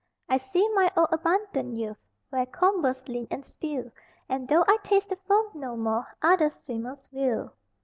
I see my old abundant youth Where combers lean and spill, And though I taste the foam no more Other swimmers will.